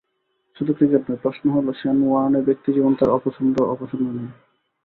শুধু ক্রিকেট নয়, প্রশ্ন হলো শেন ওয়ার্নের ব্যক্তিজীবন, তাঁর পছন্দ-অপছন্দ নিয়েও।